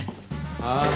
ああ。